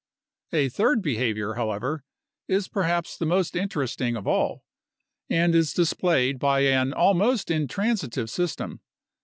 A third behavior, however, is perhaps the most interesting of all, and is displayed by an almost intransitive system.